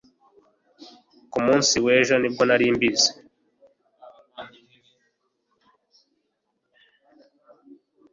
ku munsi w'ejo ni bwo nari mbizi